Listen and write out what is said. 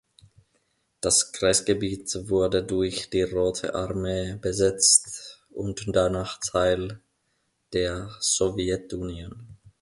Das Kreisgebiet wurde durch die Rote Armee besetzt und danach Teil der Sowjetunion.